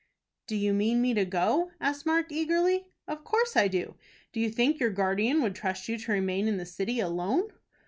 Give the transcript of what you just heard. "Do you mean me to go?" asked Mark, eagerly. "Of course I do. Do you think your guardian would trust you to remain in the city alone?"